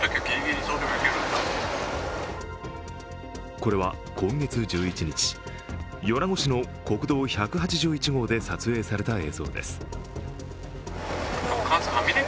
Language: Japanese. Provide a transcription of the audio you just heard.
これは今月１１日、米子市の国道１８１号で撮影された映像です。